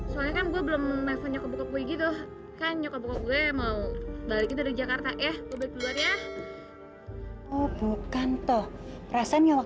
silahkan silahkan masuk